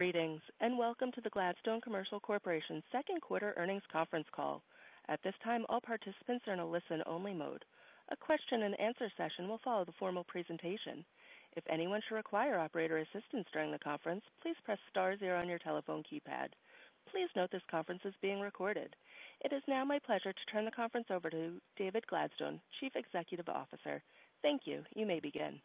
Greetings, and welcome to the Gladstone Commercial Corporation's Second Quarter Earnings Conference Call. At this time, all participants are in a listen-only mode. A question-and-answer session will follow the formal presentation. If anyone should require operator assistance during the conference, please press star zero on your telephone keypad. Please note this conference is being recorded. It is now my pleasure to turn the conference over to David Gladstone, Chief Executive Officer. Thank you. You may begin.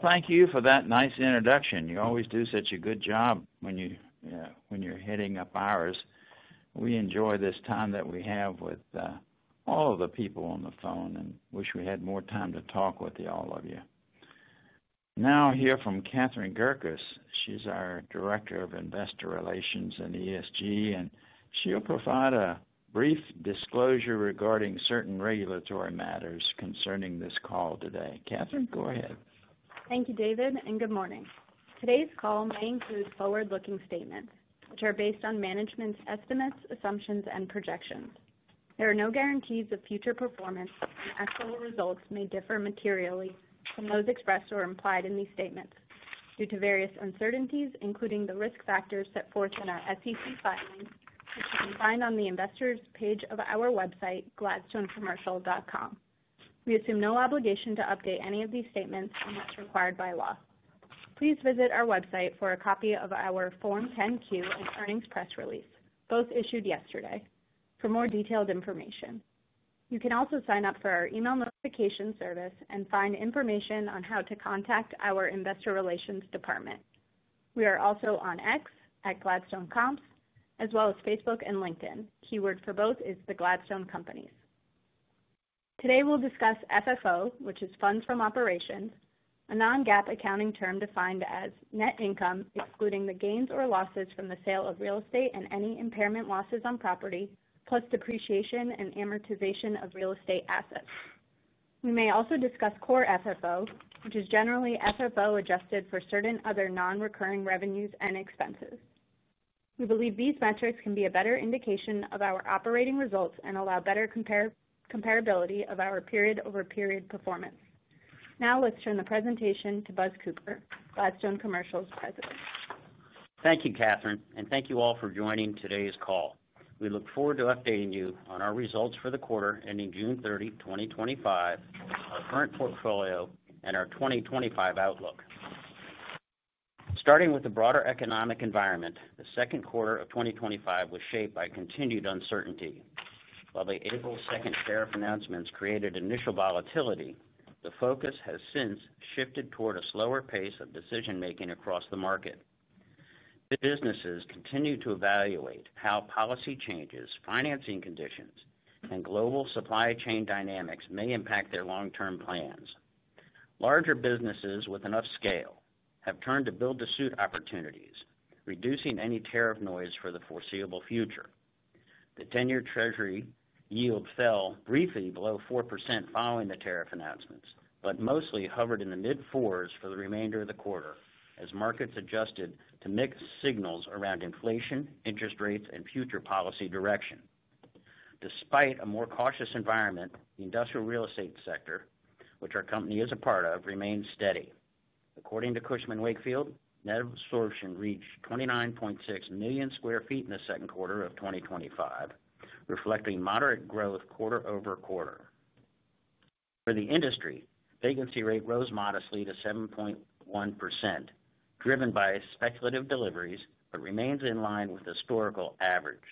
Thank you for that nice introduction. You always do such a good job when you're heading up ours. We enjoy this time that we have with all of the people on the phone and wish we had more time to talk with all of you. Now, I'll hear from Catherine Gerkis. She's our Director of Investor Relations and ESG, and she'll provide a brief disclosure regarding certain regulatory matters concerning this call today. Katherine, go ahead. Thank you, David, and good morning. Today's call aims towards forward-looking statements, which are based on management's estimates, assumptions, and projections. There are no guarantees of future performance, as full results may differ materially from those expressed or implied in these statements due to various uncertainties, including the risk factors set forth in our SEC filings, which you can find on the investors' page of our website, gladstonecommercial.com. We assume no obligation to update any of these statements, as required by law. Please visit our website for a copy of our Form 10-Q and Earnings Press Release, both issued yesterday, for more detailed information. You can also sign up for our email notification service and find information on how to contact our Investor Relations Department. We are also on X at GladstoneComps as well as Facebook and LinkedIn. Keyword for both is the Gladstone Companies. Today, we'll discuss FFO, which is Funds From Operations, a non-GAAP accounting term defined as net income excluding the gains or losses from the sale of real estate and any impairment losses on property, plus depreciation and amortization of real estate assets. We may also discuss core FFO, which is generally FFO adjusted for certain other non-recurring revenues and expenses. We believe these metrics can be a better indication of our operating results and allow better comparability of our period-over-period performance. Now, let's turn the presentation to Buzz Cooper, Gladstone Commercial's President. Thank you, Catherine, and thank you all for joining today's call. We look forward to updating you on our results for the quarter ending June 30, 2025, our current portfolio, and our 2025 outlook. Starting with the broader economic environment, the second quarter of 2025 was shaped by continued uncertainty. While the April 2nd tariff announcements created initial volatility, the focus has since shifted toward a slower pace of decision-making across the market. The businesses continue to evaluate how policy changes, financing conditions, and global supply chain dynamics may impact their long-term plans. Larger businesses with enough scale have turned to build-to-suit opportunities, reducing any tariff noise for the foreseeable future. The 10-year Treasury yield fell briefly below 4% following the tariff announcements, but mostly hovered in the mid-fours for the remainder of the quarter as markets adjusted to mixed signals around inflation, interest rates, and future policy direction. Despite a more cautious environment, the industrial real estate sector, which our company is a part of, remains steady. According to Cushman & Wakefield, net absorption reached 29.6 million sq ft in the second quarter of 2025, reflecting moderate growth quarter-over-quarter. For the industry, vacancy rate rose modestly to 7.1%, driven by speculative deliveries, but remains in line with historical averages.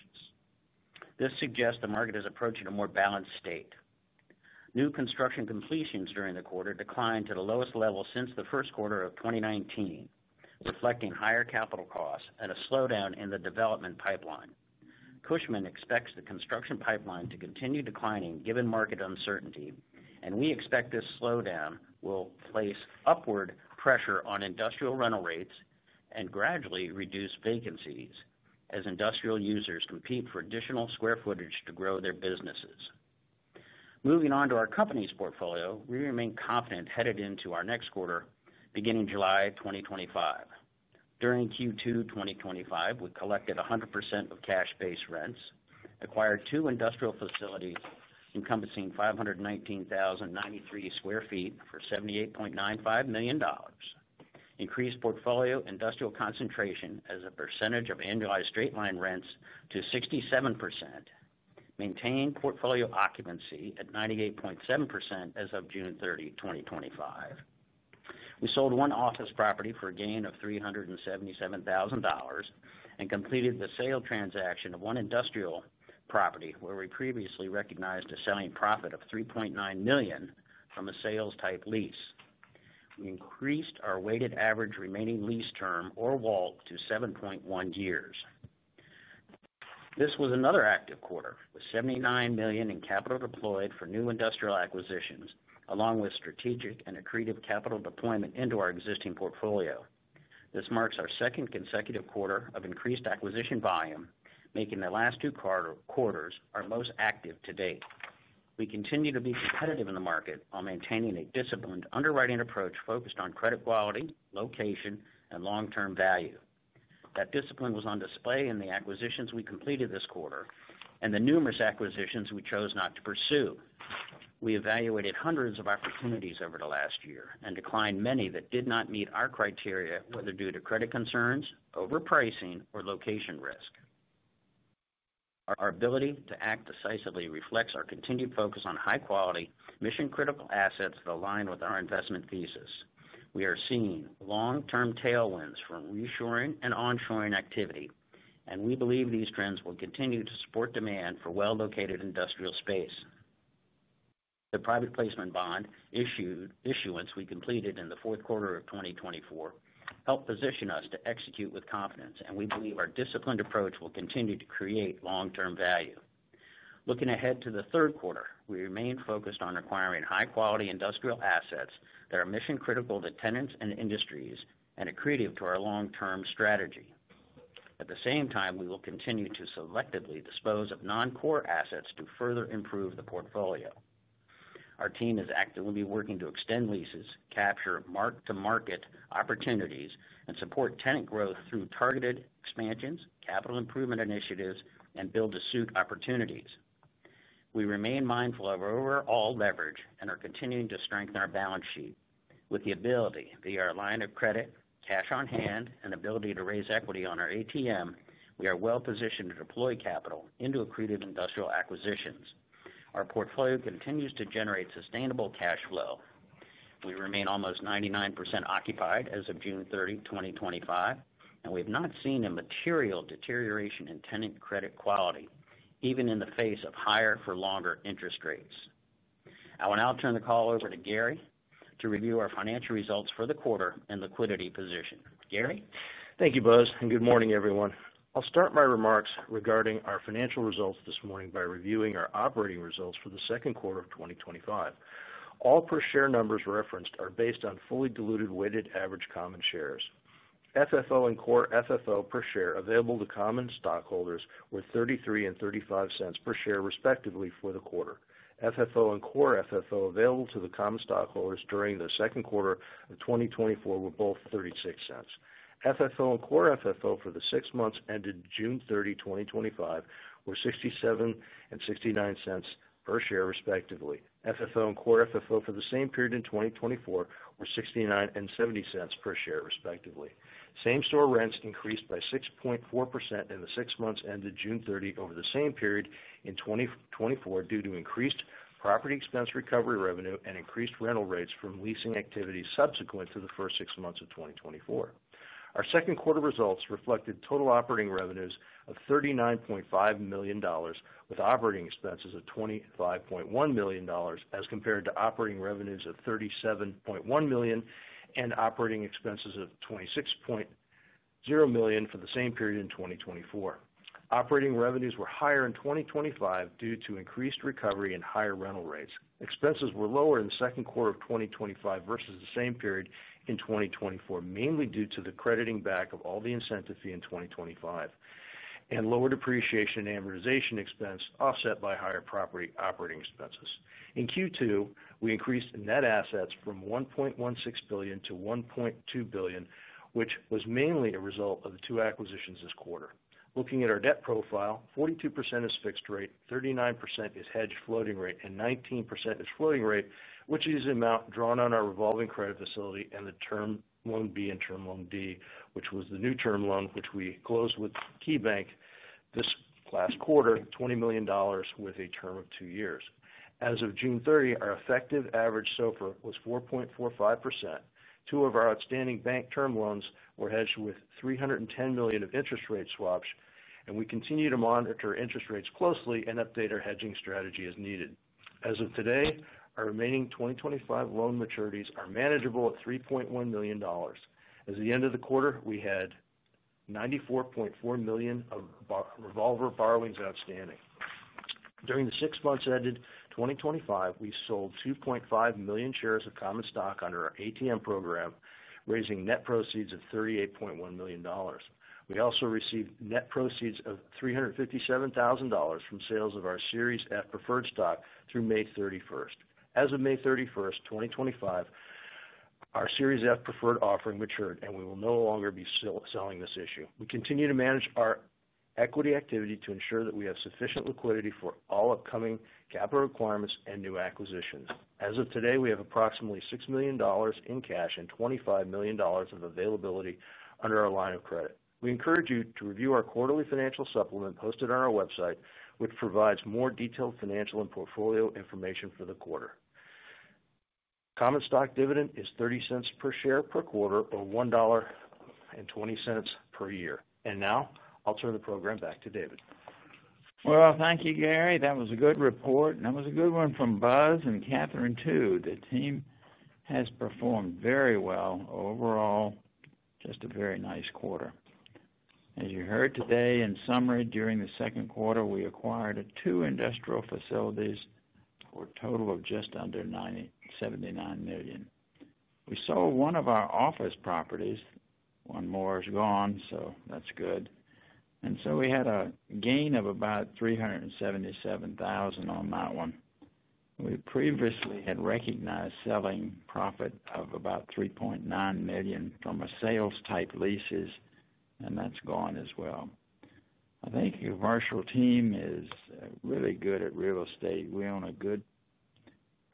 This suggests the market is approaching a more balanced state. New construction completions during the quarter declined to the lowest level since the first quarter of 2019, reflecting higher capital costs and a slowdown in the development pipeline. Cushman expects the construction pipeline to continue declining given market uncertainty, and we expect this slowdown will place upward pressure on industrial rental rates and gradually reduce vacancies as industrial users compete for additional square footage to grow their businesses. Moving on to our company's portfolio, we remain confident headed into our next quarter beginning July 2025. During Q2 2025, we collected 100% of cash-based rents, acquired two industrial facilities encompassing 519,093 sq ft for $78.95 million, increased portfolio industrial concentration as a percentage of annualized straight-line rents to 67%, maintained portfolio occupancy at 98.7% as of June 30, 2025. We sold one office property for a gain of $377,000 and completed the sale transaction of one industrial property where we previously recognized a selling profit of $3.9 million from a sales-type lease. We increased our Weighted Average Remaining Lease term, or WALT, to 7.1 years. This was another active quarter with $79 million in capital deployed for new industrial acquisitions, along with strategic and accretive capital deployment into our existing portfolio. This marks our second consecutive quarter of increased acquisition volume, making the last two quarters our most active to date. We continue to be competitive in the market while maintaining a disciplined underwriting approach focused on credit quality, location, and long-term value. That discipline was on display in the acquisitions we completed this quarter and the numerous acquisitions we chose not to pursue. We evaluated hundreds of opportunities over the last year and declined many that did not meet our criteria, whether due to credit concerns, overpricing, or location risk. Our ability to act decisively reflects our continued focus on high-quality, mission-critical assets that align with our investment thesis. We are seeing long-term tailwinds from reshoring and onshoring activity, and we believe these trends will continue to support demand for well-located industrial space. The private placement bond issuance we completed in the fourth quarter of 2024 helped position us to execute with confidence, and we believe our disciplined approach will continue to create long-term value. Looking ahead to the third quarter, we remain focused on acquiring high-quality industrial assets that are mission-critical to tenants and industries and accretive to our long-term strategy. At the same time, we will continue to selectively dispose of non-core assets to further improve the portfolio. Our team is actively working to extend leases, capture mark-to-market opportunities, and support tenant growth through targeted expansions, capital improvement initiatives, and build-to-suit opportunities. We remain mindful of our overall leverage and are continuing to strengthen our balance sheet. With the ability via our line of credit, cash on hand, and ability to raise equity on our ATM, we are well-positioned to deploy capital into accretive industrial acquisitions. Our portfolio continues to generate sustainable cash flow. We remain almost 99% occupied as of June 30, 2025, and we have not seen a material deterioration in tenant credit quality, even in the face of higher-for-longer interest rates. I will now turn the call over to Gary to review our financial results for the quarter and liquidity position. Gary. Thank you, Buzz, and good morning, everyone. I'll start my remarks regarding our financial results this morning by reviewing our operating results for the second quarter of 2025. All per-share numbers referenced are based on fully diluted weighted average common shares. FFO and core FFO per share available to common stockholders were $0.33 and $0.35 per share, respectively, for the quarter. FFO and core FFO available to the common stockholders during the second quarter of 2024 were both $0.36. FFO and core FFO for the six months ended June 30, 2025 were $0.67 and $0.69 per share, respectively. FFO and core FFO for the same period in 2024 were $0.69 and $0.70 per share, respectively. Same-store rents increased by 6.4% in the six months ended June 30 over the same period in 2024 due to increased property expense recovery revenue and increased rental rates from leasing activity subsequent to the first six months of 2024. Our second quarter results reflected total operating revenues of $39.5 million, with operating expenses of $25.1 million as compared to operating revenues of $37.1 million and operating expenses of $26.0 million for the same period in 2024. Operating revenues were higher in 2025 due to increased recovery and higher rental rates. Expenses were lower in the second quarter of 2025 versus the same period in 2024, mainly due to the crediting back of all the incentive fee in 2025 and lower depreciation and amortization expense offset by higher property operating expenses. In Q2, we increased net assets from $1.16 billion to $1.2 billion, which was mainly a result of the two acquisitions this quarter. Looking at our debt profile, 42% is fixed rate, 39% is hedged floating-rate, and 19% is floating rate, which is the amount drawn on our revolving credit facility and the term loan B and term loan D, which was the new term loan which we closed with KeyBanc this last quarter, $20 million with a term of two years. As of June 30, our effective average SOFR was 4.45%. Two of our outstanding bank term loans were hedged with $310 million of interest rate swaps, and we continue to monitor interest rates closely and update our hedging strategy as needed. As of today, our remaining 2025 loan maturities are manageable at $3.1 million. At the end of the quarter, we had $94.4 million of revolver borrowings outstanding. During the six months ended 2025, we sold 2.5 million shares of common stock under our ATM program, raising net proceeds of $38.1 million. We also received net proceeds of $357,000 from sales of our Series F preferred stock through May 31. As of May 31, 2025, our Series F preferred offering matured, and we will no longer be selling this issue. We continue to manage our equity activity to ensure that we have sufficient liquidity for all upcoming capital requirements and new acquisitions. As of today, we have approximately $6 million in cash and $25 million of availability under our line of credit. We encourage you to review our quarterly financial supplement posted on our website, which provides more detailed financial and portfolio information for the quarter. Common stock dividend is $0.30 per share per quarter, or $1.20 per year. Now, I'll turn the program back to David. Thank you, Gary. That was a good report, and that was a good one from Buzz and Catherine too. The team has performed very well overall, just a very nice quarter. As you heard today, in summary, during the second quarter, we acquired two industrial facilities for a total of just under $79 million. We sold one of our office properties. One more is gone, so that's good. We had a gain of about $377,000 on that one. We previously had recognized selling profit of about $3.9 million from a sales-type lease, and that's gone as well. I think the commercial team is really good at real estate. We own a good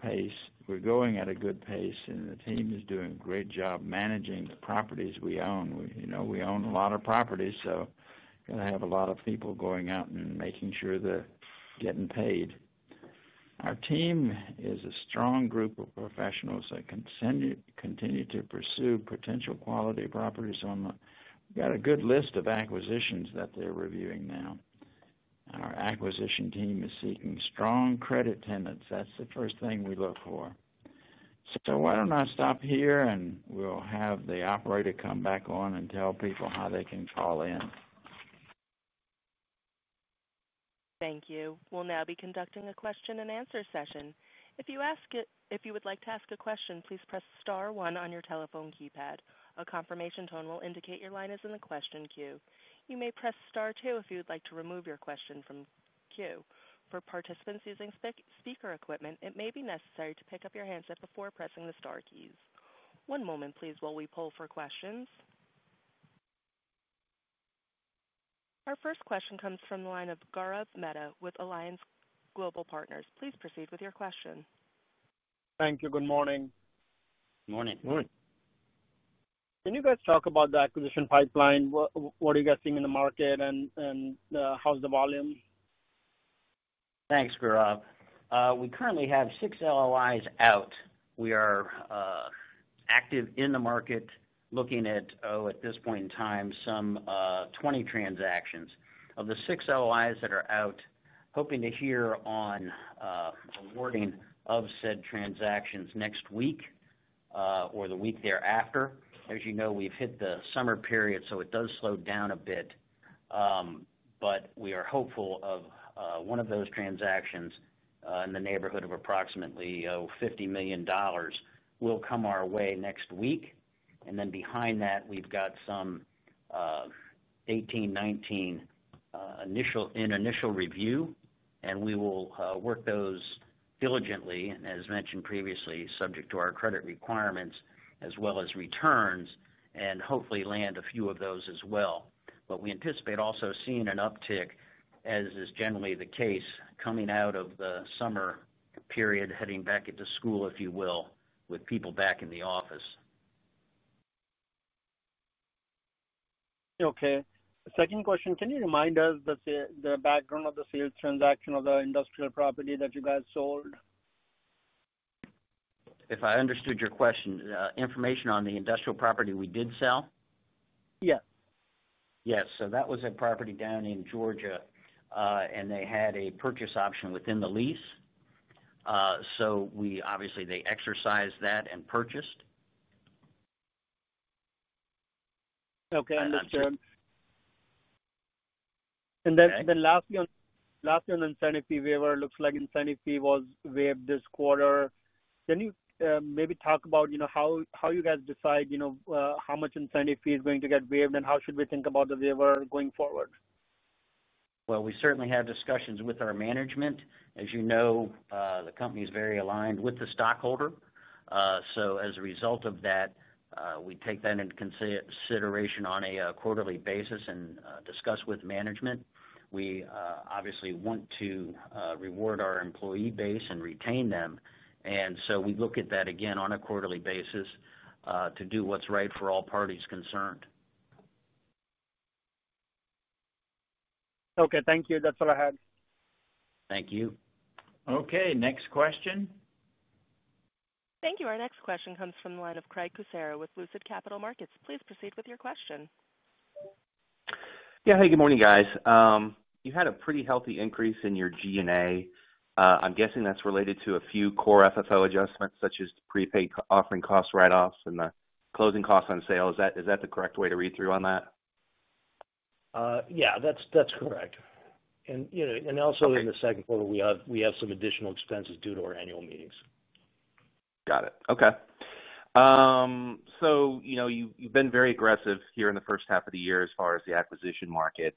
pace. We're going at a good pace, and the team is doing a great job managing the properties we own. You know, we own a lot of properties, so you've got to have a lot of people going out and making sure they're getting paid. Our team is a strong group of professionals that continue to pursue potential quality properties. We've got a good list of acquisitions that they're reviewing now. Our acquisition team is seeking strong credit tenants. That's the first thing we look for. I will stop here, and we'll have the operator come back on and tell people how they can call in. Thank you. We'll now be conducting a question-and-answer session. If you would like to ask a question, please press star one on your telephone keypad. A confirmation tone will indicate your line is in the question queue. You may press star two if you would like to remove your question from the queue. For participants using speaker equipment, it may be necessary to pick up your handset before pressing the star keys. One moment, please, while we pull for questions. Our first question comes from the line of Gaurav Mehta with Alliance Global Partners. Please proceed with your question. Thank you. Good morning. Morning. Morning. Can you guys talk about the acquisition pipeline? What are you guys seeing in the market, and how's the volume? Thanks, Gaurav. We currently have six LOIs out. We are active in the market looking at, at this point in time, some 20 transactions. Of the six LOIs that are out, hoping to hear on awarding of said transactions next week or the week thereafter. As you know, we've hit the summer period, so it does slow down a bit. We are hopeful one of those transactions in the neighborhood of approximately $50 million will come our way next week. Behind that, we've got some 18, 19 in initial review, and we will work those diligently, and as mentioned previously, subject to our credit requirements as well as returns, and hopefully land a few of those as well. We anticipate also seeing an uptick, as is generally the case, coming out of the summer period, heading back into school, if you will, with people back in the office. Okay. Second question, can you remind us the background of the sales transaction of the industrial property that you guys sold? If I understood your question, information on the industrial property we did sell? Yeah. Yes. That was a property down in Georgia, and they had a purchase option within the lease. They exercised that and purchased. Okay. Understood. Lastly, on the incentive fee waiver, it looks like the incentive fee was waived this quarter. Can you maybe talk about how you guys decide how much incentive fee is going to get waived and how should we think about the waiver going forward? We certainly have discussions with our management. As you know, the company is very aligned with the stockholder. As a result of that, we take that into consideration on a quarterly basis and discuss with management. We obviously want to reward our employee base and retain them. We look at that again on a quarterly basis to do what's right for all parties concerned. Okay, thank you. That's all I had. Thank you. Okay, next question. Thank you. Our next question comes from the line of Craig Kucera with Lucid Capital Markets. Please proceed with your question. Yeah. Hey, good morning, guys. You had a pretty healthy increase in your G&A. I'm guessing that's related to a few core FFO adjustments, such as the prepaid offering cost write-offs and the closing cost on sales. Is that the correct way to read through on that? Yeah, that's correct. Also, in the second quarter, we have some additional expenses due to our annual meetings. Got it. Okay. You've been very aggressive here in the first half of the year as far as the acquisition market.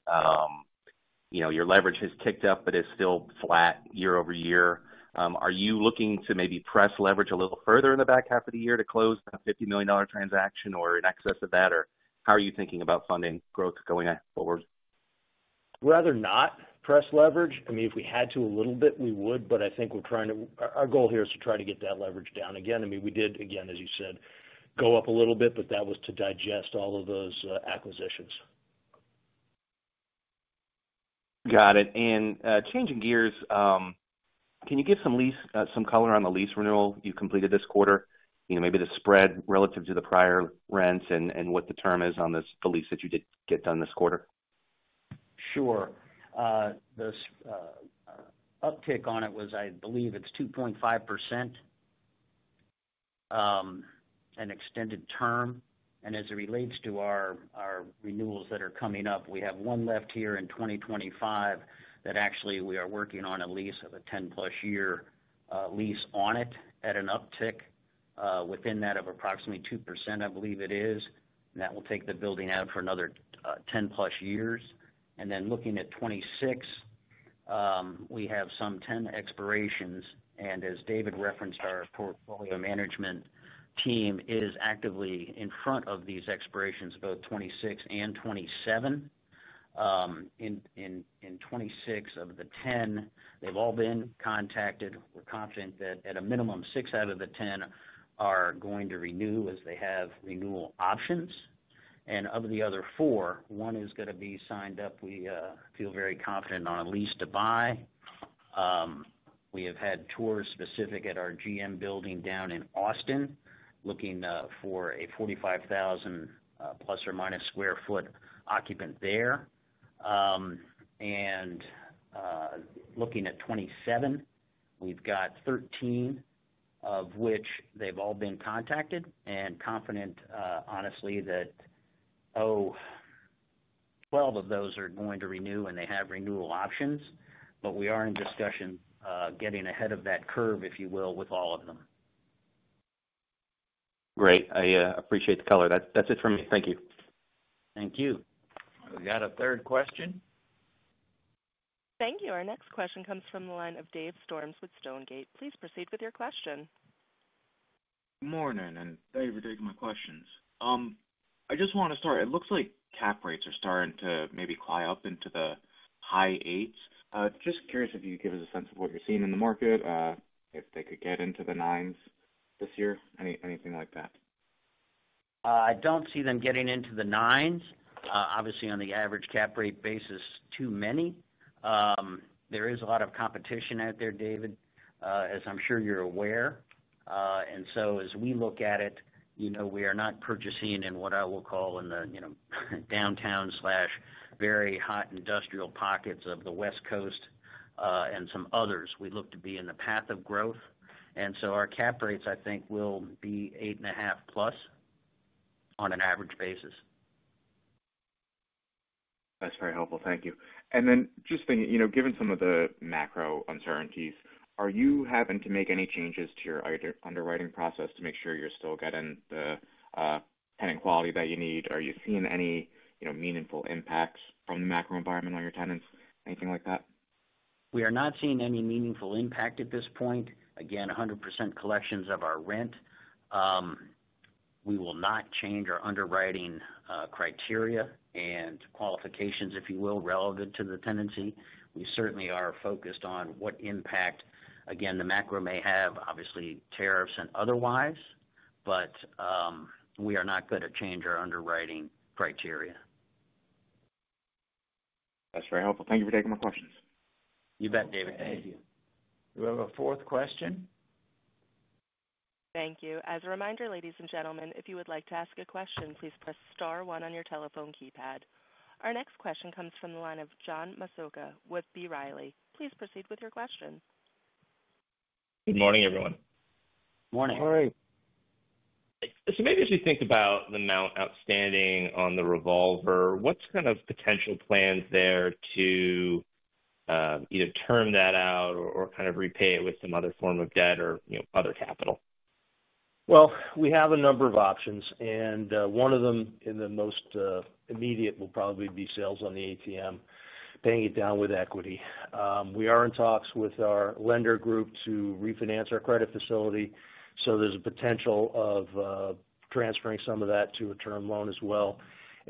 Your leverage has kicked up, but it's still flat year-over-year. Are you looking to maybe press leverage a little further in the back half of the year to close the $50 million transaction or in excess of that, or how are you thinking about funding growth going forward? Rather not press leverage. If we had to a little bit, we would, but I think our goal here is to try to get that leverage down again. We did, as you said, go up a little bit, but that was to digest all of those acquisitions. Got it. Changing gears, can you give some color on the lease renewal you completed this quarter? You know, maybe the spread relative to the prior rents and what the term is on the lease that you did get done this quarter? Sure. The uptick on it was, I believe it's 2.5% and extended term. As it relates to our renewals that are coming up, we have one left here in 2025 that actually we are working on a lease of a 10+ year lease on it at an uptick within that of approximately 2%, I believe it is. That will take the building out for another 10+ years. Looking at 2026, we have some 10 expirations. As David referenced, our portfolio management team is actively in front of these expirations, both 2026 and 2027. In 2026 of the 10, they've all been contacted. We're confident that at a minimum, 6 out of the 10 are going to renew as they have renewal options. Of the other four, one is going to be signed up. We feel very confident on a lease to buy. We have had tours specific at our GM building down in Austin looking for a 45,000± sq ft occupant there. Looking at 2027, we've got 13 of which they've all been contacted and confident, honestly, that 12 of those are going to renew and they have renewal options. We are in discussion getting ahead of that curve, if you will, with all of them. Great. I appreciate the color. That's it for me. Thank you. Thank you. We got a third question? Thank you. Our next question comes from the line of Dave Storms with Stonegate. Please proceed with your question. Morning, and thank you for taking my questions. I just want to start. It looks like cap rates are starting to maybe climb up into the high 8%. Just curious if you could give us a sense of what you're seeing in the market, if they could get into the 9% this year, anything like that? I don't see them getting into the 9%. Obviously, on the average cap rate basis, too many. There is a lot of competition out there, David, as I'm sure you're aware. As we look at it, we are not purchasing in what I will call the downtown slash very hot industrial pockets of the West Coast and some others. We look to be in the path of growth. Our cap rates, I think, will be 8.5+% on an average basis. That's very helpful. Thank you. Just thinking, given some of the macro uncertainties, are you having to make any changes to your underwriting process to make sure you're still getting the tenant quality that you need? Are you seeing any meaningful impacts from the macro environment on your tenants? Anything like that? We are not seeing any meaningful impact at this point. Again, 100% collections of our rent. We will not change our underwriting criteria and qualifications, if you will, relevant to the tenancy. We certainly are focused on what impact, again, the macro may have, obviously, tariffs and otherwise, but we are not going to change our underwriting criteria. That's very helpful. Thank you for taking my questions. You bet, David. Thank you. We have a fourth question? Thank you. As a reminder, ladies and gentlemen, if you would like to ask a question, please press star one on your telephone keypad. Our next question comes from the line of John Massocca with B. Riley. Please proceed with your question. Good morning, everyone. Morning. Morning. As we think about the amount outstanding on the revolver, what's kind of potential plans there to either term that out or repay it with some other form of debt or other capital? We have a number of options, and one of them, in the most immediate, will probably be sales on the ATM, paying it down with equity. We are in talks with our lender group to refinance our revolving credit facility. There is a potential of transferring some of that to a term loan as well.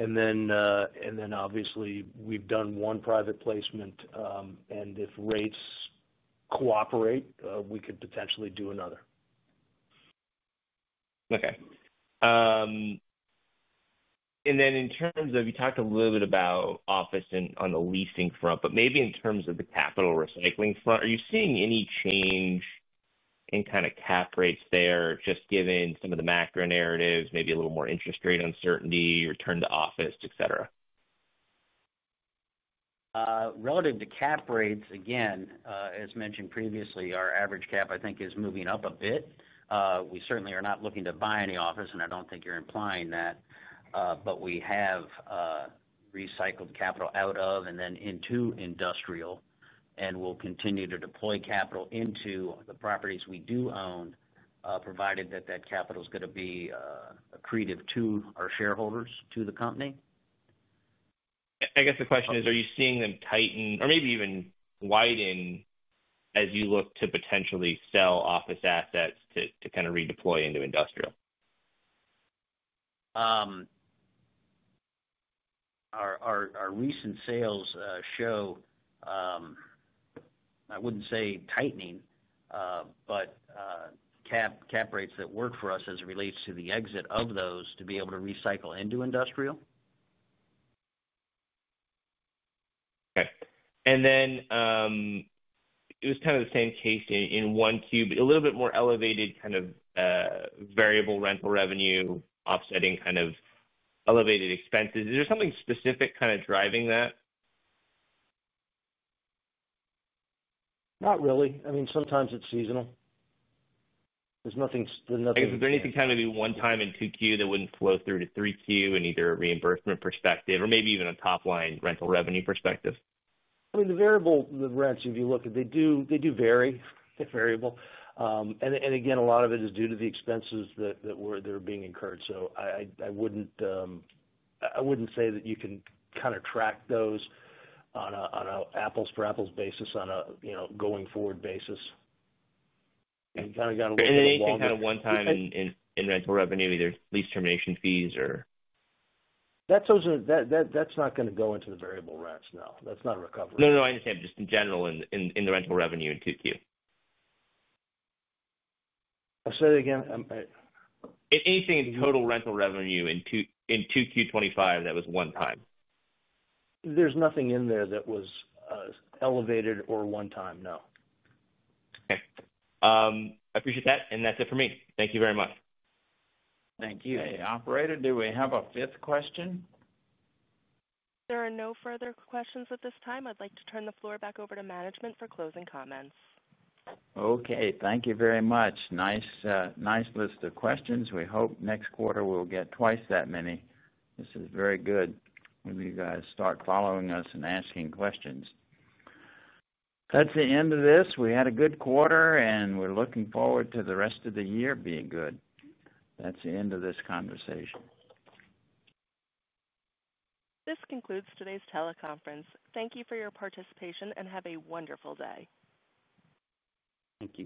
Obviously, we've done one private placement, and if rates cooperate, we could potentially do another. Okay. In terms of you talked a little bit about office and on the leasing front, maybe in terms of the capital recycling front, are you seeing any change in kind of cap rates there, just given some of the macro narratives, maybe a little more interest rate uncertainty, your turn to office, etc.? Relative to cap rates, again, as mentioned previously, our average cap, I think, is moving up a bit. We certainly are not looking to buy any office, and I don't think you're implying that, but we have recycled capital out of and then into industrial, and we'll continue to deploy capital into the properties we do own, provided that that capital is going to be accretive to our shareholders to the company. I guess the question is, are you seeing them tighten or maybe even widen as you look to potentially sell office assets to kind of redeploy into industrial? Our recent sales show, I wouldn't say tightening, but cap rates that work for us as it relates to the exit of those to be able to recycle into industrial. Okay. It was kind of the same case in Q1, but a little bit more elevated variable rental revenue offsetting elevated expenses. Is there something specific driving that? Not really. I mean, sometimes it's seasonal. There's nothing. Is there anything kind of maybe one time in Q2 that wouldn't flow through to Q3 in either a reimbursement perspective or maybe even a top-line rental revenue perspective? The variable rents, if you look at it, they do vary. They're variable. A lot of it is due to the expenses that were being incurred. I wouldn't say that you can kind of track those on an apples-for-apples basis on a going-forward basis. there anything kind of one time in rental revenue, either lease termination fees or? That's not going to go into the variable rents, no. That's not a recovery. No, I understand. Just in general, in the rental revenue in two queues. I'll say that again. Anything in total rental revenue in Q2 2025 that was one time? There's nothing in there that was elevated or one time, no. Okay, I appreciate that. That's it for me. Thank you very much. Thank you. Hey, operator, do we have a fifth question? There are no further questions at this time. I'd like to turn the floor back over to management for closing comments. Okay. Thank you very much. Nice, nice list of questions. We hope next quarter we'll get twice that many. This is very good when you guys start following us and asking questions. That's the end of this. We had a good quarter, and we're looking forward to the rest of the year being good. That's the end of this conversation. This concludes today's teleconference. Thank you for your participation and have a wonderful day. Thank you.